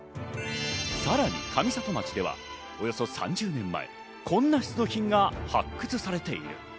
さらに上里町ではおよそ３０年前、こんな出土品が発掘されている。